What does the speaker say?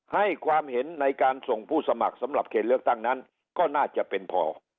ให้ความเห็นในการส่งผู้สมัครสำหรับเขตเลือกตั้งนั้นก็น่าจะเป็นพอ